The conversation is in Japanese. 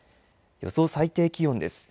予想最低気温です。